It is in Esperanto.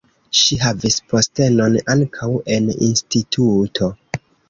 Ŝi havis postenon ankaŭ en instituto.